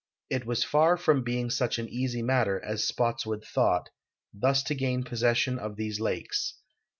It was far from being such an easy matter, as Spottswood thought, thus to gain possession of these lakes.